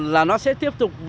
là nó sẽ tiếp tục